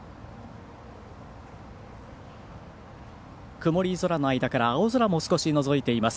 曇り空の間から青空も少しのぞいています。